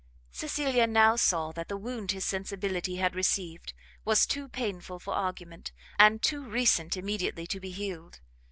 Cecilia now saw that the wound his sensibility had received was too painful for argument, and too recent immediately to be healed.